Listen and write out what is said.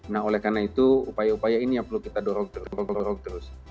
nah oleh karena itu upaya upaya ini yang perlu kita dorong terus